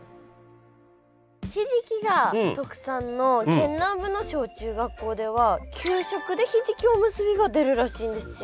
ひじきが特産の県南部の小中学校では給食でひじきおむすびが出るらしいんですよ。